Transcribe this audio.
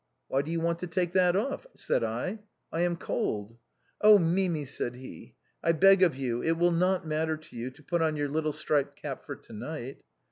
' Why do you want to take that off?' said I, 'I am cold.' 'Oh! Mimi,' said he, * I beg of you, it will not matter to you, to put on your little striped cap for to night.'